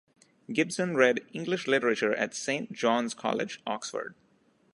Gibson read English Literature at Saint John's College, Oxford.